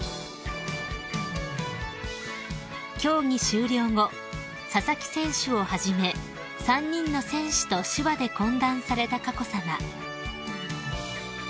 ［競技終了後佐々木選手をはじめ３人の選手と手話で懇談された佳子さま］